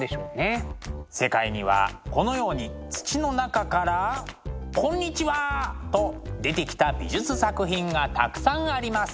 世界にはこのように土の中からこんにちは！と出てきた美術作品がたくさんあります。